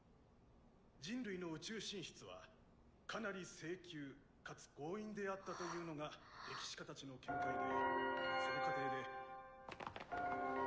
人類の宇宙進出はかなり性急かつ強引であったというのが歴史家たちの見解で。